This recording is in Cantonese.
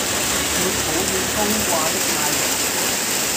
沒抱怨高掛的太陽